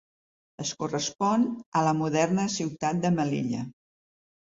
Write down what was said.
Es correspon a la moderna ciutat de Melilla.